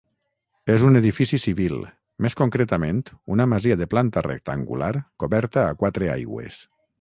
És un Edifici civil, més concretament una Masia de planta rectangular coberta a quatre aigües.